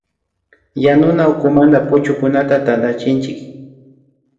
Yanuna ukumanta puchukunata tantachinchik